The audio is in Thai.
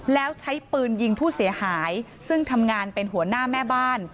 แล้วใช้ปืนยิงผู้เสียหายซึ่งทำงานเป็นหัวหน้าแม่บ้าน